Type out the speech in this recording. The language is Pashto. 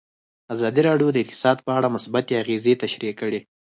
ازادي راډیو د اقتصاد په اړه مثبت اغېزې تشریح کړي.